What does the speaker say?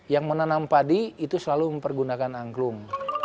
yang menanam padi itu selalu mempergunakan angklung